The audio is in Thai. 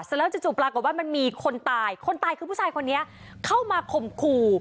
แล้วจู่ปรากฏว่ามันมีคนตายคนตายคือผู้ชายคนนี้เข้ามาข่มขู่